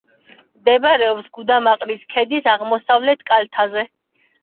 მდებარეობს გუდამაყრის ქედის აღმოსავლეთ კალთაზე.